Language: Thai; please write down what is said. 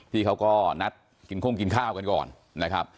เขาก็นัดกินโค้งกินข้าวกันก่อนนะครับ